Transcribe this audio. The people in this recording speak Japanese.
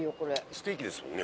ステーキですもんね。